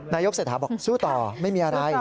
นายกเศรษฐาบอกสู้ต่อไม่มีอะไร